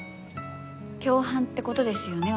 共犯って事ですよね